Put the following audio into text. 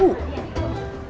belum lagi pujasera